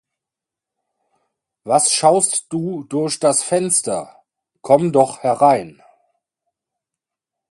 Was schaust du durch das Fenster, komm doch herein.